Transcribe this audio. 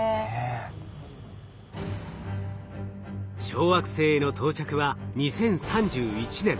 小惑星への到着は２０３１年。